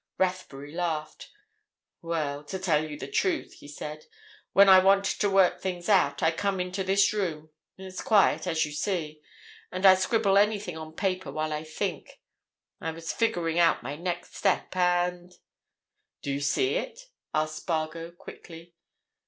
Rathbury laughed. "Well, to tell you the truth," he said, "when I want to work things out, I come into this room—it's quiet, as you see—and I scribble anything on paper while I think. I was figuring on my next step, and—" "Do you see it?" asked Spargo, quickly.